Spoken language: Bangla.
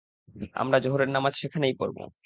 আমরা যোহরের নামাজ সেখানেই পড়ব।